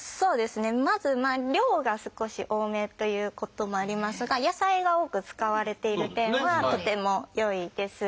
まず量が少し多めということもありますが野菜が多く使われている点はとても良いです。